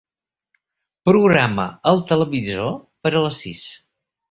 Programa el televisor per a les sis.